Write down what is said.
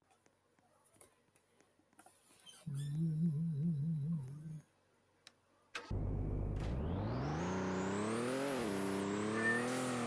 Aymara placenames are found all the way north into central Peru.